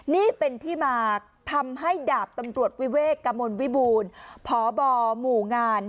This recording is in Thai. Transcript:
นี่เป็นที่มาทำให้ดาบตำรวจวิเวกกระมวลวิบูรณ์พบหมู่งาน